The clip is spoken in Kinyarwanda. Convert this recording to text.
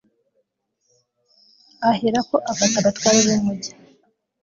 ahera ko afata abatware b'umugi